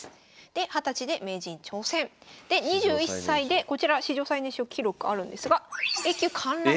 で２０歳で名人挑戦。で２１歳でこちら史上最年少記録あるんですがＡ級陥落。